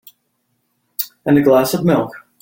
And a glass of milk.